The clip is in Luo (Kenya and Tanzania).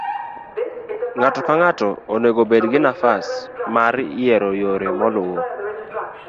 ng'ato ka ng'ato onego bed gi nafas mar yiero yore moluwo